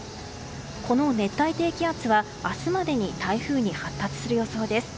この熱帯低気圧は、明日までに台風に発達する予想です。